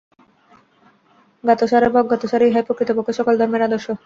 জ্ঞাতসারে বা অজ্ঞাতসারে ইহাই প্রকৃতপক্ষে সকল ধর্মের আদর্শ।